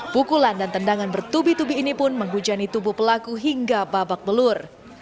pukulan dan tendangan bertubi tubi ini pun menghujani tubuh pelaku hingga babak belur